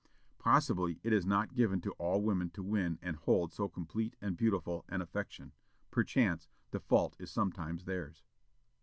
Possibly it is not given to all women to win and hold so complete and beautiful an affection; perchance the fault is sometimes theirs.